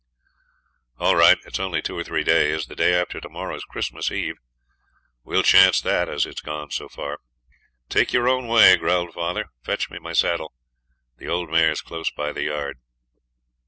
'All right! It's only two or three days. The day after to morrow's Chris'mas Eve. We'll chance that, as it's gone so far.' 'Take your own way,' growls father. 'Fetch me my saddle. The old mare's close by the yard.'